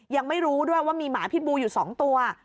ยังไม่รู้ด้วยว่ามีหมาพิษบูอยู่๒ตัว